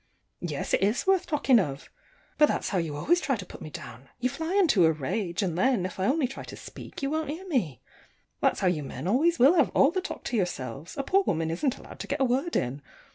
Yes, it is worth talking of! But that's how you always try to put me down. You fly into a rage, and then, if I only try to speak, you won't hear me. That's how you men always will have all the talk to yourselves: a poor woman isn't allowed to get a word in.